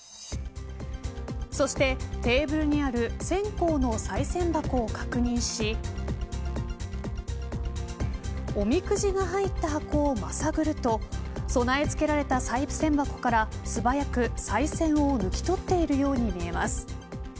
そしてテーブルにある線香のさい銭箱を確認しおみくじが入った箱をまさぐると備え付けられたさい銭箱から素早くさい銭を抜き取っているように見えます。